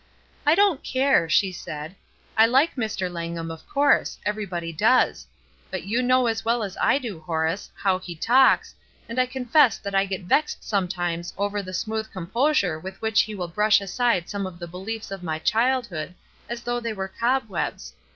"I don't care," she said. "I like Mr. Lang ham, of course —everybody does ; but you know "WOULDN'T YOU?'* 267 as well as I do, Horace, how he talks, and I confess that I get vexed sometimes over the smooth composure with which he will brush aside some of the beliefs of my childhood, as though they were cobwebs.